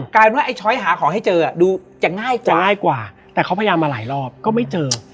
ลายว่าไอ้ช้อยหาของให้เจอดูจะง่ายกว่าจะง่ายกว่าแต่เขาพยายามมาหลายรอบก็ไม่เจอ